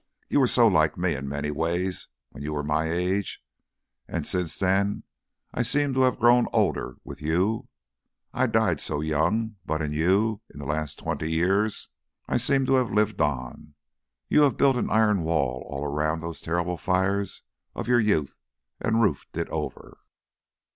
You were so like me in many ways when you were my age, and since then I seem to have grown older with you. I died so young. But in you, in the last twenty years, I seem to have lived on. You have built an iron wall all round those terrible fires of your youth, and roofed it over.